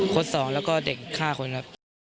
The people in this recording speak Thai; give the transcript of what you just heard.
คน๒แล้วก็เด็ก๕คนครับ